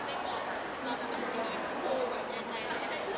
มีคนไปแอ้ว